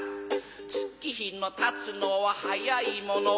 月日のたつのは早いもの